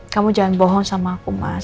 kamu jangan bohong sama aku mas